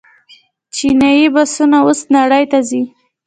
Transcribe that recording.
چیني بسونه اوس نړۍ ته ځي.